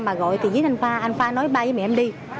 mà gọi thì dính anh khoa anh khoa nói ba với mẹ em đi